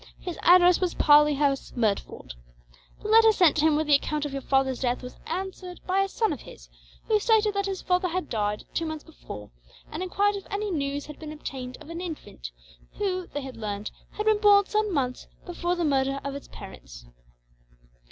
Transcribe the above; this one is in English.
His address was Parley House, Merdford. The letter sent to him with the account of your father's death was answered by a son of his; who stated that his father had died, two months before, and enquired if any news had been obtained of an infant who, they had learned, had been born some months before the murder of its parents.